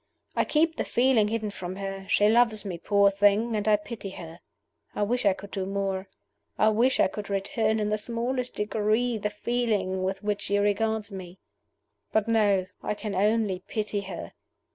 I keep the feeling hidden from her. She loves me, poor thing and I pity her. I wish I could do more; I wish I could return in the smallest degree the feeling with which she regards me. But no I can only pity her.